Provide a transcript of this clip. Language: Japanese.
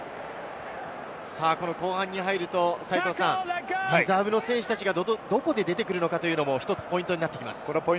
後半に入るとリザーブの選手たちがどこで出てくるのかというのもポイントになってきます。